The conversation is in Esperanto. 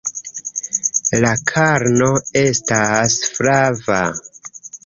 La karno estas flava.